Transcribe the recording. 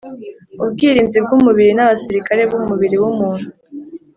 Ubwirinzi bw’umubiri n’abasirikari b’umubiri w’umuntu